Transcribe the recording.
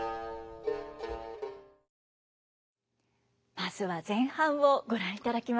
まずは前半をご覧いただきました。